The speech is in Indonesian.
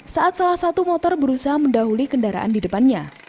saat salah satu motor berusaha mendahuli kendaraan di depannya